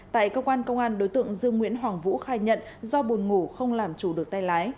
tại cơ quan công an đối tượng dương nguyễn hoàng vũ khai nhận do buồn ngủ không làm chủ được tay lái